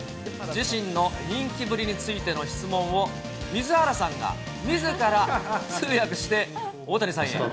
自身の人気ぶりについての質問を、水原さんがみずから通訳して、大谷さんへ。